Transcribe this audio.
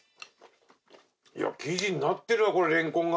生地になってるわレンコンが。